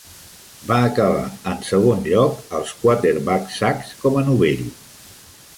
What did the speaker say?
Va acabar en segon lloc als quarterback sacks com a novell.